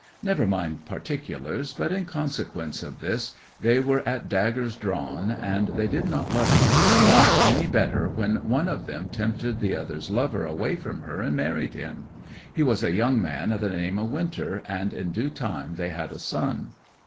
Never mind particulars, but in consequence of this they were at daggers drawn, and they did not love each other any better when one of them tempted the other's lover away from her and married him. He was a young man of the name of Winter, and in due time they had a son.